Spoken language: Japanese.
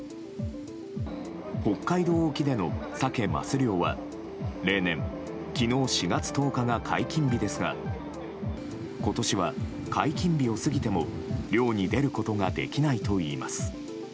北海道沖でのサケ・マス漁は例年、昨日４月１０日が解禁日ですが今年は解禁日を過ぎても漁に出ることができないといいます。